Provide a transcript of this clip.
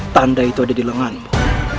tanda itu ada di lenganmu